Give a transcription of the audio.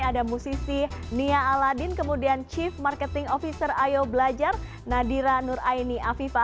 ada musisi nia aladin kemudian chief marketing officer ayo belajar nadira nur aini afifa